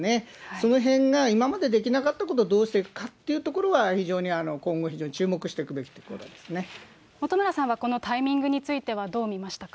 そのへんが今までできなかったことをどうしていくかということは非常に今後、非常に注目していく本村さんはこのタイミングについてはどう見ましたか。